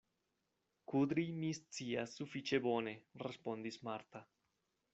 Kudri mi scias sufiĉe bone, respondis Marta.